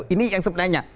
ini yang sebenarnya